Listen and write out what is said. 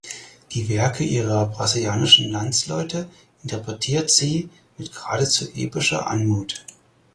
Die Werke ihrer brasilianischen Landsleute interpretiert sie mit geradezu epischer Anmut.